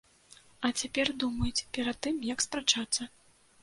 А цяпер думаюць перад тым, як спрачацца.